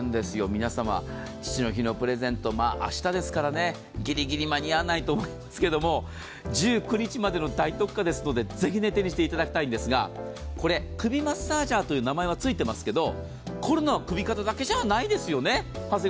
皆様、父の日のプレゼント、明日ですからね、ギリギリ間に合わないと思いますけど、１９日までの大特価ですので、ぜひ手にしていただきたいんですが、これ、首マッサージャーという名前がついてますけど凝るのは首、肩だけじゃないですよね。